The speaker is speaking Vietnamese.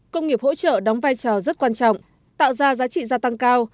công nghiệp hỗ trợ đóng vai trò rất quan trọng tạo ra giá trị gia tăng cao